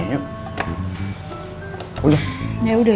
udah yaudah yaudah